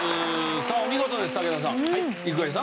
さあお見事です武田さん。